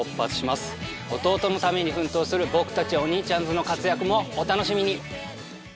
弟のために奮闘する僕たちお兄ちゃんズの活躍もお楽しみに。